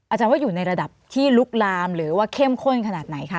อาจารย์ว่าอยู่ในระดับที่ลุกลามหรือว่าเข้มข้นขนาดไหนคะ